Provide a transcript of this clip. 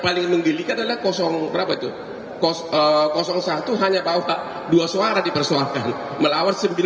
paling menggelikan adalah kosong berapa itu kosong satu hanya bahwa dua suara dipersoalkan melawar